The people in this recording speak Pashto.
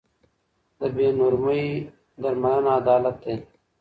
د بې نورمۍ درملنه عدالت دی.